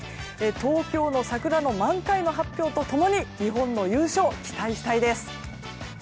東京の桜の満開の発表と共に日本の優勝期待したいです。